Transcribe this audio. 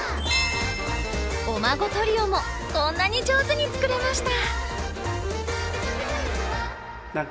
お孫トリオもこんなに上手に作れました！